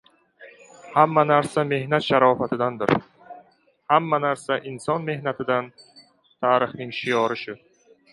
Hamma narsa mehnat sharofatidandir. Hamma narsa — inson mehnatidan, tarixning shiori shu.